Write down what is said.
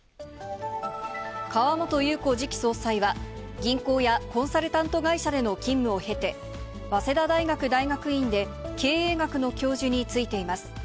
川本裕子次期総裁は、銀行やコンサルタント会社での勤務を経て、早稲田大学大学院で経営学の教授に就いています。